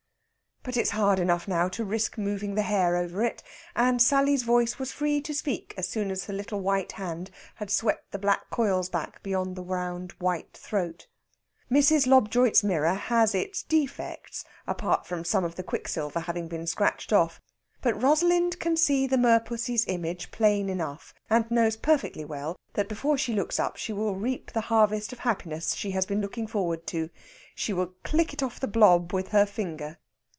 But it is hard enough now to risk moving the hair over it, and Sally's voice was free to speak as soon as her little white hand had swept the black coils back beyond the round white throat. Mrs. Lobjoit's mirror has its defects apart from some of the quicksilver having been scratched off; but Rosalind can see the merpussy's image plain enough, and knows perfectly well that before she looks up she will reap the harvest of happiness she has been looking forward to. She will "clicket" off the "blob" with her finger.